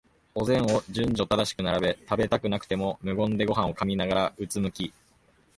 お膳を順序正しく並べ、食べたくなくても無言でごはんを噛みながら、うつむき、